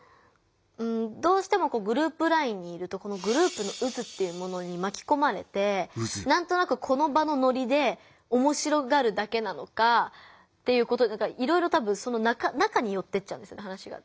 どうしてもグループＬＩＮＥにいるとグループの渦っていうものにまきこまれてなんとなくこの場のノリでおもしろがるだけなのかいろいろ多分その中によってっちゃうんです話が。